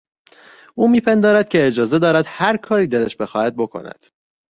او میپندارد که اجازه دارد هرکاری دلش بخواهد بکند.